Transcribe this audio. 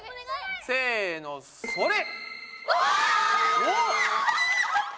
せのそれ！